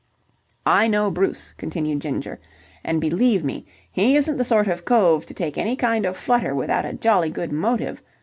"I know Bruce," continued Ginger, "and, believe me, he isn't the sort of cove to take any kind of flutter without a jolly good motive.